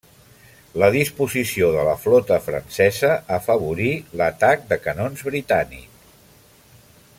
La disposició de la flota francesa afavorí l'atac de canons britànic.